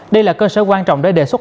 đây là cơ sở quan trọng để đề xuất